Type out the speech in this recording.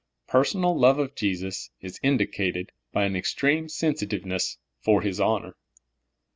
Personal love of Jesus is indicated b}^ an ex treme sensitiveness for His honor.